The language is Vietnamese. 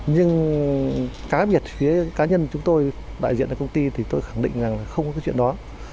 nhưng cá biệt phía cá nhân chúng tôi đại diện cho công ty thì tôi khẳng định rằng là không có cái chuyện đó